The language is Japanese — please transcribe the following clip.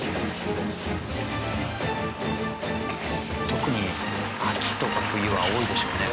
特に秋とか冬は多いでしょうね。